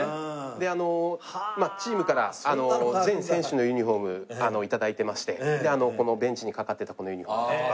であのチームから全選手のユニホーム頂いてましてこのベンチにかかっていたこのユニホーム。